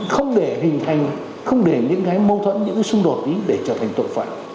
không để những cái mâu thuẫn những cái xung đột ý để trở thành tội phạm